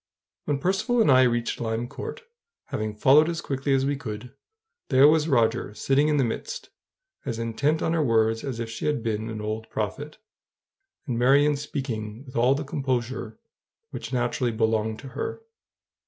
When Percivale and I reached Lime Court, having followed as quickly as we could, there was Roger sitting in the midst, as intent on her words as if she had been, an old prophet, and Marion speaking with all the composure which naturally belonged to her.